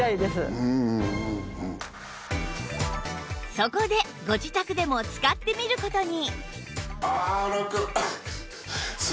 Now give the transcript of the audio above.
そこでご自宅でも使ってみる事に